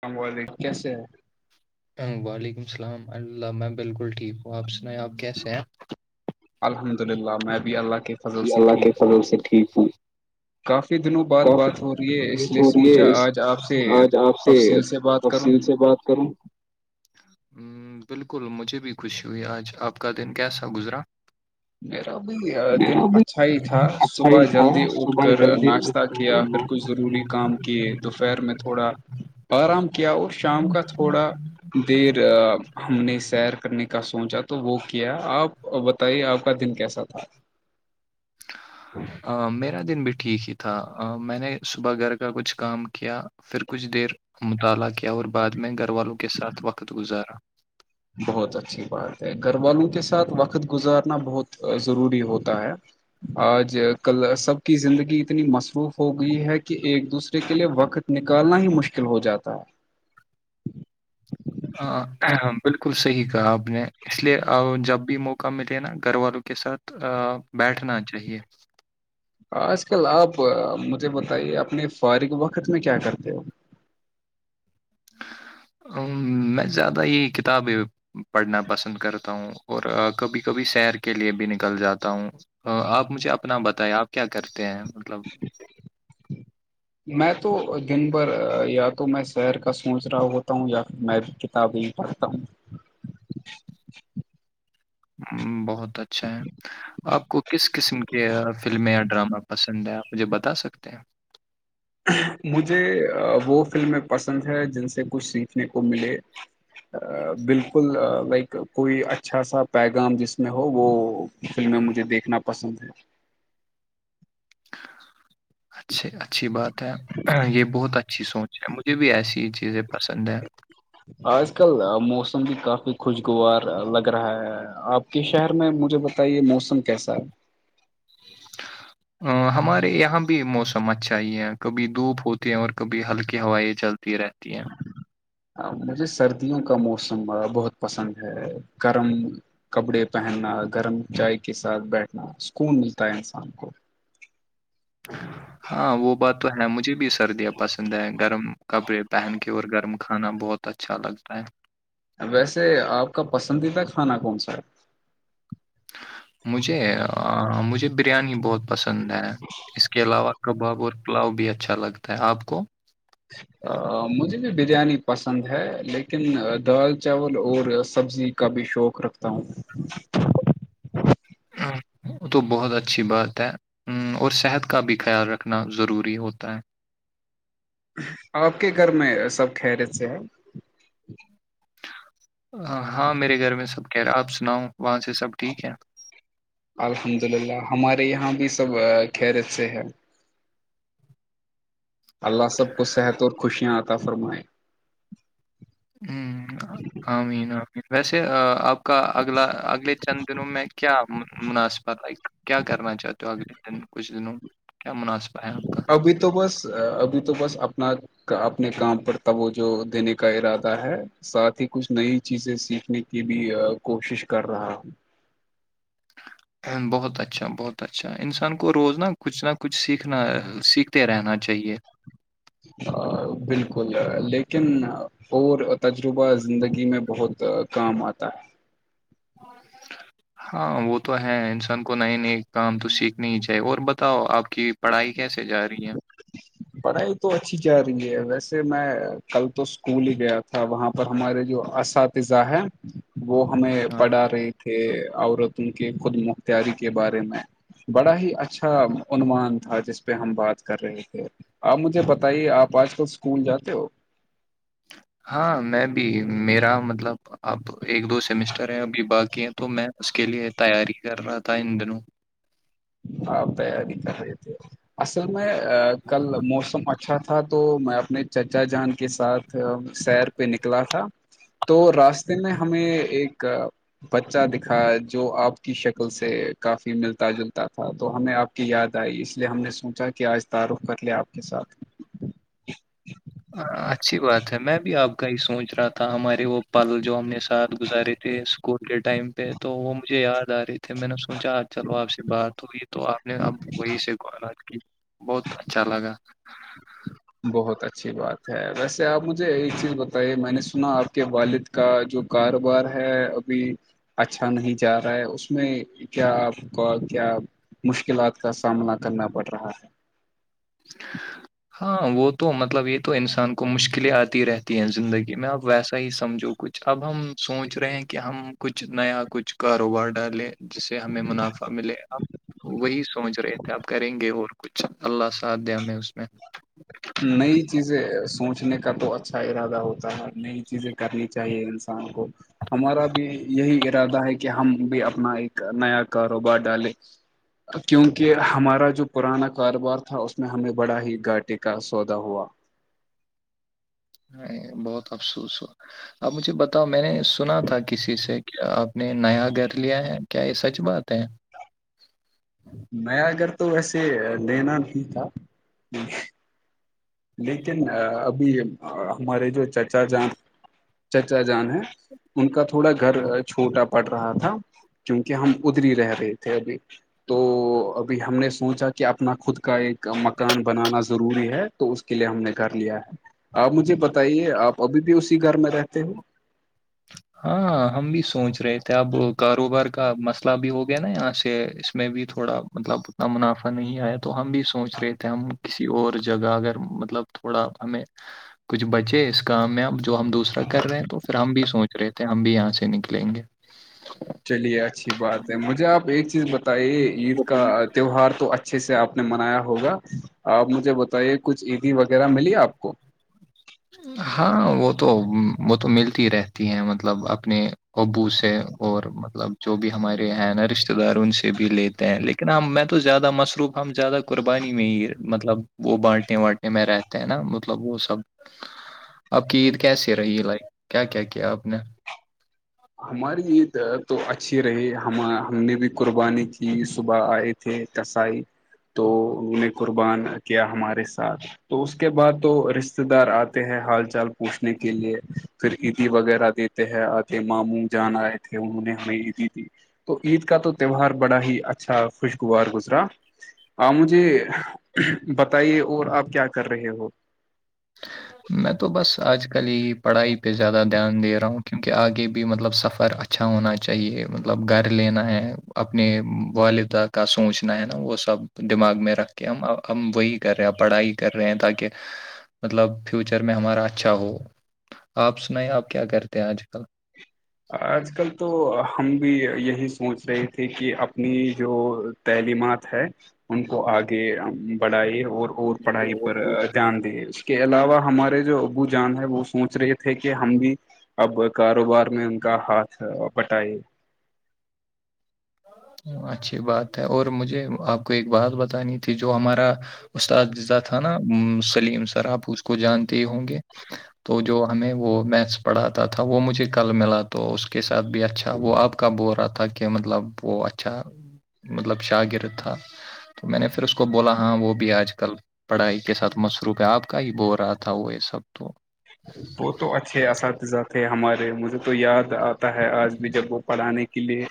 سام و کیسے ہے وعلیکم السلام اللہ میں بالکل ٹھیک ہوں اپ سنائیں اپ کیسے ہیں الحمد للہ میں بھی اللہ کے فضل جی سے اللہ ٹھیک کے ہوں فنل سے ٹھیک ہوں کافی دنوں بعد کافی بات ہو رہی ہے دیر اس بات لیے ہو رہی سوچا ہے اس آج آپ سے آج آپ تفصیل سے بات کروں تفصیل سے بات کروں ہ بالکل مجھے بھی خوشی ہوئی آج آپ کا دن کیسا گزرا میرا بھی دن میرا بھی اچھا ہی تھا اچھا صبح ہی تھا جلدی اٹھ صبح کر جلدی ناچ اٹھ صہ کر کیا پھر میں کچھ ضروری کام کیے تو پر میں تھوڑا آرام کیا اور شام کا تھوڑا دیر ہم نے سیر کرنے کا سوچا تو وہ کیا آپ بتائیے آپ دن کیسا تھا میرا دن بھی ٹھیک ہی تھا میں نے صبح گھر کا کچھ کام کیا پھر کچھ دیر مطالعہ کیا اور بعد میں گھر والوں کے ساتھ وقت گزارا بہت اچھی بات ہے گھر والوں کے ساتھ وقت گزارنا بہت ضروری ہوتا ہے آج کل سب کی زندگی اتنی مصروف ہو گئی ہے کہ ایک دوسرے کے لیے وقت نکالنا ہی مشکل ہو جاتا ہے ہ بالکل صحیح کہا آپ نے اس لیے جب بھی موقع ملے نا گھر والوں کے ساتھ ا بیٹھنا چاہیے آج کل آپ مجھے بتائیے اپنے فارغ وقت میں کیا کرتے ہو [inaudible] ا میں زیادہ یہ کتاب ہے پڑھنا پسند کرتا ہوں اور کبھی کبھی سیر کے لیے بھی نکل جاتا ہوں ہ آپ مجھے اپنا بتے آپ کیا کرتے ہیں مطلب [inaudible] میں تو دن بھر یا تو میں شہر کا سوچ رہا ہوتا ہوں یا پھر میں تبھی کرتا ہوں ہ بہت [unintelligible] اچھا ہے آپ کو کس قسم کے فلمیں یا ڈرامہ پسند ہے آپ مجھے بتا سکتے تو [unintelligible] مجھے وہ فلمیں پسند ہے جن سے کچھ سیکھنے کو ملے بالکل لائک کوئی اچھا سا پیغام جس میں ہو وہ فلمیں مجھے دیکھنا پسند ہے اچھھی اچھی بات ہے یہ بہت اچھی سوچ ہے مجھے بھی ایسی چیزیں پسند ہے آج کل موسم بھی کافی خوشگوار لگ رہا ہے آپ کے شہر میں مجھے بتائیے موسم کیسا ہے [inaudible] ہمارے یہاں بھی موسم اچھا ہی ہے کبھی دھوپ ہوتی ہے اور کبھی ہلکی ہوائیں چلتی تی رہتی ہے مجھے سردیوں کا موسم بہت پسند ہے گرم کپڑے پہننا گرم چائے کے ساتھ بیٹھنا سکون ملتا ہے انسان کو [inaudible] ہاں وہ بات تو ہے مجھے بھی سردیاں پسند ہے گرم کپڑے پہن کے اور گرم کھانا بہت ب اچھا لگتا ہے ویسے آپ کا پسندیدہ کھانا کون سا ہے مجھے مجھے بریانی بہت پسند ہے اس کے علاوہ کباب اور پلاؤ بھی اچھا لگتا ہے آپ کو مجھے بھی بریانی پسند ہے لیکن دال چاول اور سبزی کا بھی شوق رکھتا ہوں [inaudible] تو بہت اچھی بات ہے اور صحت کا بھی خیال رکھنا ضروری ہوتا ہے آپ کے گھر میں سب خیرت سے ہے ہاں میرے گھر میں سب کہہ رہے ہیں آپ سناؤں وہاں سے سب ٹھیک ہے الحمد للہ ہمارے یہاں بھی سب خیر سے ہے اللہ سب کو صحت اور خوشیاں آتا فرمائے ہ آمین این ویسے آپ کا اگلا اگلے چند دنوں میں کیا مناسبت لائک کیا کرنا چاہتے ہو اگلے کچھ دنوں کیا مناسبہ ہے آپ کا ابھی تو بس ابھی تو بس اپنا کا اپنے کام پر ت وہ جو دینے کا ارادہ ہے ساتھ ہی کچھ نئی چیزیں سیکھنے کی بھی کوشش کر رہا ہوں بہت اچھا بہت اچھا انسان کو روز ن کچھ نہ کچھ سیکھنا سیکھتے رہنا چاہیے بالکل لیکن اور تجربہ زندگی میں بہت کام آتا ہے [inaudible] ہاں وہ تو ہے انسان کو نئے نئے کام تو سیکھنے ہی چاہیے اور بتاؤ آپ کہ پڑھائی کیسے جا رہی ہیں پڑھائی تو اچھی جا رہی ہے ویسے میں کل تو اسکول ہی گیا تھا وہاں پر ہمارے جو اساتذہ ہے وہ ہمیں ہاں پڑا رہی تھے عورتوں کی خود مختاری کے بارے میں بڑا ہی اچھا عنوان تھا جس پہ ہم بات کر رہے تھے آپ مجھے بتائیے آپ آج کل اسکول جاتے ہو ہاں میں بھی میرا مطلب اب ایک دو سیمسٹر ہے ابھی باقی ہے تو میں اس کے لیے تیاری کر رہا تھا ان دنوں آاںپ تیاری کر رہے تھے اصل میں کل موسم ا اچھا تھا تو میں اپنے چچا جان کے ساتھ سیر پہ نکلا تھا تو راستے میں ہمیں ایک بچہ دکھا جو آپ کی شکل سے کافی ملتا جلتا تھا تو ہمیں آپ کی یاد آئی اس لیے ہم نے سوچا کہ آج تعارف کر لے آپ کے ساتھ ہ اچھی بات ہے میں بھی آپ کا ہی سوچ رہا تھا ہمارے وہ پل جو ہم نے ساتھ گزارے تھے اسکول کے ٹائم پہ تو وہ مجھے یاد آ رہی تھی پھر میں نے سوچا چلو آپ سے بات ہوئی تو آپ نے اب وہی سےالات کی بہت اچھا لگا بہت اچھی بات ہے ویسے آپ مجھے یہ چیز بتائیے میں نے سنا آپ کے والد کا جو کاروبار ہے ابھی اچھا نہیں جا رہا ہے اس میں کیا آپ کو کیا مشکلات کا سامنا کرنا پڑ رہا ہے [inaudible] ہاں وہ تو مطلب یہ تو انسان کو مشکلیں آتی رہتی ہیں زندگی میں اپ ویسا ہی سمجھو کچھ چ اب ہم سوچ رہے ہیں کہ ہم کچھ نیا کچھ کاروبار ڈالیں جسے ہمیں منافع ملے آپ وہی سوچ رہے تھے اپ کریں گے اور کچھ اللہ سے ساتھ دیا میں میں اس میں نئی چیزیں سوچنے کا تو اچھا ارادہ ہوتا ہے نئی چیزیں کرنی چاہیے انسان کو ہمارا بھی یہی ارادہ ہے کہ ہم بھی اپنا ایک نیا کاروبار ڈالیں کیونکہ ہمارا جو پرانا کاروبار تھا اس میں ہمیں بڑا ہی گاٹ کاا سودا ہوا نہیں بہت افسوس ہو آپ مجھے بتاؤ میں نے سنا تھا کسی سے کہ آپ نے نیا گھر لیا ہے کیا یہ سچ بات ہے میں اگر تو ویسے لینا نہیں تھا لیکن ابھی ہمارے جو چچا جان چچا جان ہے ان کا تھوڑا گھر چھوٹا پڑ رہا تھا کیونکہ ہم ادری رہ رہے تھے ابھی تو ابھی ہم نے سوچا کہ اپنا خود کا ایک مکان بنانا ضروری ہے تو اس کے لیے ہم نے گھر لیا ہے آپ مجھے بتائیے آپ ابھی بھی اسی گھر میں رہتے ہو ہاں ہم بھی سوچ رہے تھے اب کاروبار کا مس مطلاب ہو گیا نا یہاں سے اس میں بھی تھوڑا مطلب اتنا منافع نہیں آیا تو ہم بھی سوچ رہے تھے ہم کسی اور جگہ اگر مطلب تھوڑا ہمیں کچھ بچے اس کام میں اب جو ہم دوسرا کر رہے ہیں تو پھر ہم بھی سوچ رہے تھے ہم بھی یہاں سے نکلیں گے چلیے اچھی بات ہے مجھے آپ ایک چیز بتائیے عید گے۔ کا تہوہار تو اچھا اچھے سے آپ نے منایا ہوگا آپ مجھے بتائیے کچھ عیدی وغیرہ ملی آپ کو ہاں وہ تو وہ تو ملتی رہتی ہیں مطلب اپنے ابو سے اور مطلب جو بھی ہمارے ہیں نا رشتے دار ان سے بھی لیتے ہیں لیکن کہ ن میں تو زیادہ مصروف ہ ہم زیادہ قربانی میں ہی مطلب وہ بانٹیں بانٹتے میں رہتے ہیں نا مطلب وہ سب آپ کی عید کیسی رہی لائک کیا کیا کیا آپ نے ہماری عید تو اچھی رہی ہم ہم نے بھی قربانی کی صبح آئے تھے تسائی تو انہوں نے قربان کیا ہمارے ساتھ تو اس کے بعد تو رشتے دار آتے ہیں حال چال پوچھنے کے لیے پھر عیدی وغیرہ دیتے ہیں آتے ماموں جان آئے تھے انہوں نے ہمیں عیدی دی تو عید کا تو تہوار بڑا ہی اچھا خوشگوار گزرا آاں مجھے بتائیے اور آپ کیا کر رہے ہو میں تو بس آج کل ہی پڑھائی پہ زیادہ دھیان دے رہا ہوں کیونکہ آگے بھی مطلب سفر اچھا اچھا ہونا چاہیے مطلب گھر لینا ہے اپنے والدہ کا سوچنا ہے نا وہ سب دماغ میں رکھ کے ہم ہم وہی کر رہے ہیں پڑھائی کر رہے ہیں تاکہ مطلب فیوچر میں ہمارا اچھا ہو آپ سنائ آپ کیا کرتے ہیں آج کل آج کل تو ہم بھی یہی سوچ رہے تھے کہ اپنی جو تعلیمات ہے ان کو آگے بڑھائی اور اور پڑھائی پر دان د اس کے علاوہ ہمارے جو ابو جان ہے وہ سوچ رہے تھے کہ ہم بھی اب کاروبار میں ان کا ہاتھ بٹائی اچھی بات ہے اور مجھے آپ کو ایک بات بتانی تھی جو ہمارا استاد جذہ تھا نا سلیم صرحب اس کو جانتے ہی ہوں گے تو جو ہمیں وہ میتھس پڑھاتا تھا وہ مجھے کل ملا تو اس کے ساتھ بھی اچھا وہ آپ کب بول رہا تھا کہ مطلب وہ اچھا مطلب شاگرد تھا تو میں نے پھر اس کو بولا ہاں وہ بھی آج کل پڑھائی کے ساتھ مصروف ہے آپ کا ہی بول رہا تھا وہ یہ سب تو ب تو اچھے اساتذہ تھے ہمارے مجھے تو یاد آتا ہے آج بھی جب وہ پڑھانے کے لیے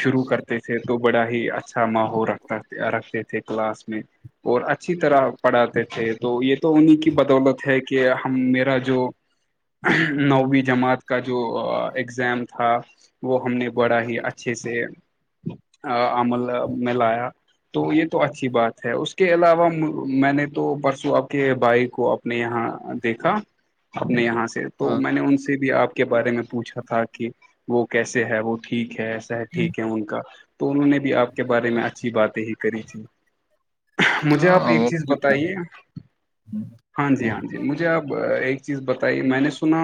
شروع کرتے تھے تو بڑا ہی اچھا ماحول رکھتا رکھتے تھے کلاس میں اور اچھی طرح پڑھاتے تھے تو یہ تو انہیں کی بدولت ہے کہ ہم میرا جو نوویں جماعت کا جو اگزام تھا وہ ہم نے بڑا ہی اچھے سے عمل میں لایا تو یہ تو اچھی بات ہے اس کے علاوہ میں نے تو پرسوں آپ کے بھائی کو اپنے یہاں دیکھا اپنے یہاں سے تو ہاں میں نے ان سے بھی آپ کے بارے میں پوچھا تھا کہ وہ کیسے ہے وہ ٹھیک ہےسہتھہ ٹھیک ہے ان کا تو انہوں نے بھی آپ کے بارے میں اچھی باتیں ہی کری تھیں مجھے آپ ہاں ایک وہ چیز بھی بتائیے ہاں جی ہاں جی جی مجھے آپ ایک چیز بتائیے میں نے سنا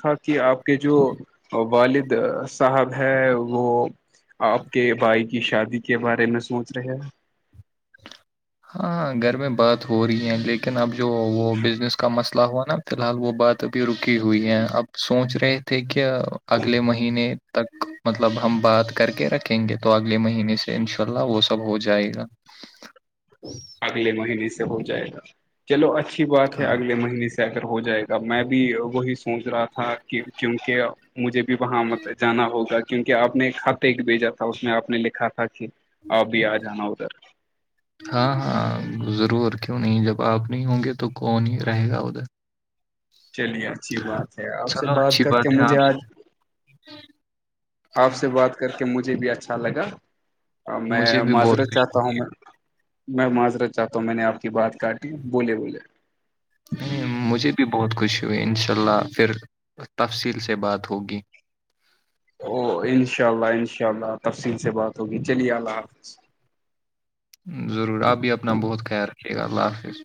تھا کہ آپ کے جو والد صاحب ہے وہ آپ کے بھائی کی شادی کے بارے میں سوچ رہے ہیں ہاں گھر میں بات ہو رہی ہے لیکن اب جو وہ بزنس کا مسئلہ الہا نا فی الحال وہ بات ابھی رکی ہوئی ہے اب سوچ رہے تیک اگلے مہینے تک مطلب ہم بات کر کے رکھیں گے تو اگلے مہینے سے انشاء اللہ وہ سب ہو جائے گا [inaudible] اگلے مہینے سے ہو جائے گا چلو اچھی بات ہے ہاں اگلے مہینے سے ہو جائے گا میں بھی وہی سوچ رہا تھا کہ کیونکہ مجھے بھی وہاں مطل جانا ہوگا کیونکہ آپ نے خط ایک بھیجا اس میں آپ نے لکھا تھا کہ آپ بھی آ جانا ادھر ہاں ہاں ضرور کیوں نہیں جب آپ نہیں ہوں گے تو کون ہی رہے گا ادھر چلیے اچھی بات ہے آپ سے چلو بات اچھی کر کے ہے مجھے آپ سے آج آپ سے بات کر کے مجھے بھی اچھا لگا میں مجھے بھی بہت معذرت خوش چاہتا ہوں میں میں معذرت چاہتا ہوں میں نے آپ کی بات کاٹی بولے بولے مجھے بھی بہت خوشی ہوئی ان شاء اللہ پھر تفصیل سے بات ہوگی او انشاء اللہ انشاء اللہ تفصیل سے بات ہوگی چلیے اللہ حافظ ضرور آپ بھی اپنا بہت خیال رکھیے گا اللہ حافظ